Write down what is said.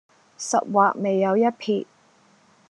十劃未有一撇